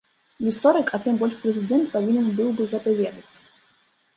Гісторык, а тым больш прэзідэнт павінен быў бы гэта ведаць.